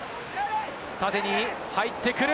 縦に入ってくる。